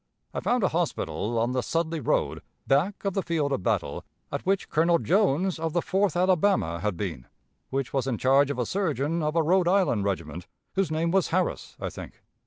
I found a hospital on the Sudley road, back of the field of battle, at which Colonel Jones, of the Fourth Alabama, had been, which was in charge of a surgeon of a Rhode Island regiment, whose name was Harris, I think.